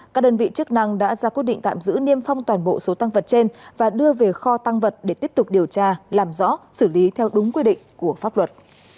các đơn vị chức năng đã ra quyết định tạm giữ niêm phong toàn bộ số tăng vật trên và đưa về kho tăng vật để tiếp tục điều tra làm rõ xử lý theo đúng quy định của pháp luật